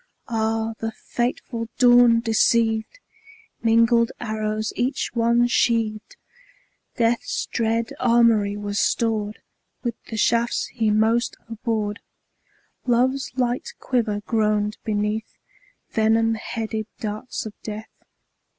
Ah, the fateful dawn deceived! Mingled arrows each one sheaved; Death's dread armoury was stored With the shafts he most abhorred; Love's light quiver groaned beneath Venom headed darts of Death.